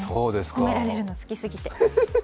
褒められるの好きすぎて。